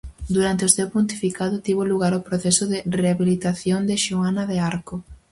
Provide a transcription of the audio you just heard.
Durante o seu pontificado tivo lugar o proceso de rehabilitación de Xoana de Arco.